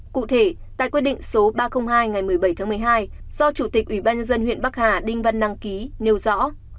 cụ thể tại quyết định số ba trăm linh hai ngày một mươi bảy tháng một mươi hai do chủ tịch ủy ban nhân dân huyện bắc hà đinh văn năng ký nêu rõ